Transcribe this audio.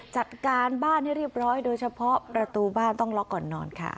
จัดการบ้านให้เรียบร้อยโดยเฉพาะประตูบ้านต้องล็อกก่อนนอนค่ะ